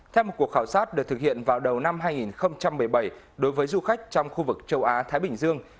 theo một cuộc khảo sát được thực hiện vào đầu năm hai nghìn một mươi bảy đối với du khách trong khu vực châu á thái bình dương